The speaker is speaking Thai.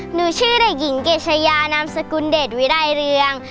หนูชื่อเด็กหญิงเกชยานามสกุลเดชวิรัยเรือง